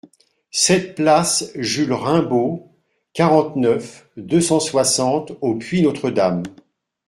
sept place Jules Raimbault, quarante-neuf, deux cent soixante au Puy-Notre-Dame